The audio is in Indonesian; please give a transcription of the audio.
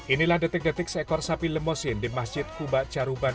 inilah detik detik seekor sapi lemosin di masjid kuba caruban